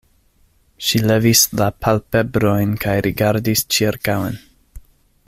Ŝi levis la palpebrojn kaj rigardis ĉirkaŭen.